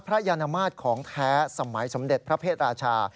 ยานมาตรของแท้สมัยสมเด็จพระเพศราชา